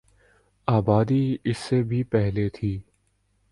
آبادی اس سے بھی پہلے تھی